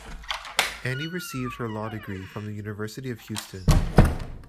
Annie received her law degree from the University of Houston.